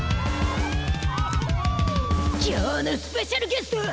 きょうのスペシャルゲスト！